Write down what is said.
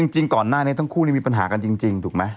จริงก่อนหน้านี้ทั้งคู่มีปัญหากันจริงถูกไหม